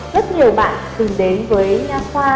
rất nhiều bạn từng đến với nha khoa